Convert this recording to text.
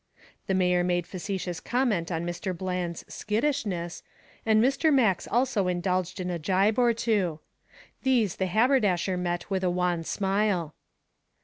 The mayor made facetious comment on Mr. Bland's "skittishness", and Mr. Max also indulged in a gibe or two. These the haberdasher met with a wan smile.